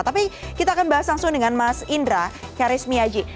tapi kita akan bahas langsung dengan mas indra karismiaji